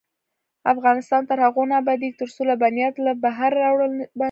افغانستان تر هغو نه ابادیږي، ترڅو لبنیات له بهره راوړل بند نشي.